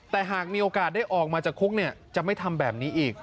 แต่หากมีโอกาสได้ออกมาจากคุกจะไม่ทำแบบนี้อีก